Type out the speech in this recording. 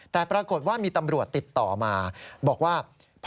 แต่ปรากฏว่ามีตำรวจติดต่อมาบอกว่า